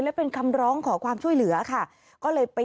แล้วเป็นคำร้องขอความช่วยเหลือค่ะ